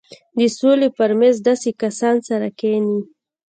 د سولې پر مېز داسې کسان سره کښېني.